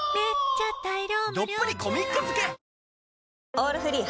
「オールフリー」